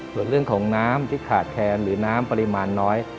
ส่วนเรื่องของน้ำที่ขาดแคลนหรือน้ำปริมาณน้อย